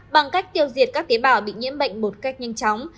bằng cách tiêu diệt các tế bào bị nhiễm bệnh một cách nhanh chóng